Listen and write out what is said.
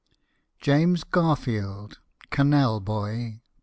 JAMES GARFIELD, CANAL BOY.